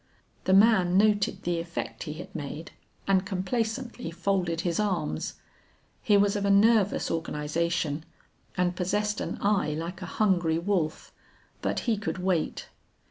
The man noted the effect he had made and complacently folded his arms. He was of a nervous organization and possessed an eye like a hungry wolf, but he could wait.